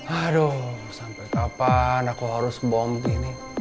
aduh sampai kapan aku harus bom di sini